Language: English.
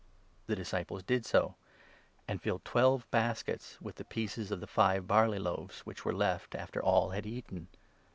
The disciples did so, and filled twelve baskets with the n pieces of the five barley loaves, which were left after all had eaten.